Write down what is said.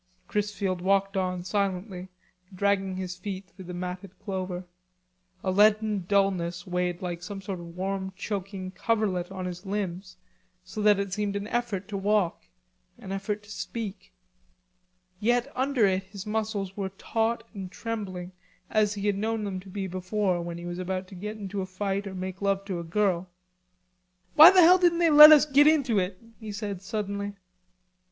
Chrisfield walked on silently, dragging his feet through the matted clover. A leaden dullness weighed like some sort of warm choking coverlet on his limbs, so that it seemed an effort to walk, an effort to speak. Yet under it his muscles were taut and trembling as he had known them to be before when he was about to get into a fight or to make love to a girl. "Why the hell don't they let us git into it?" he said suddenly.